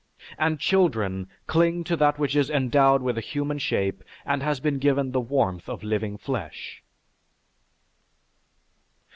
And children cling to that which is endowed with a human shape and has been given the warmth of living flesh.